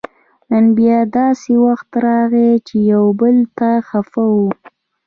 نن بیا داسې وخت راغی چې یو بل ته خپه وو